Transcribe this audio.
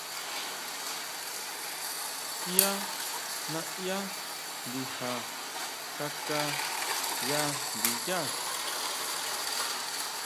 Yá naʼyá ndija kaká ya ndiyá.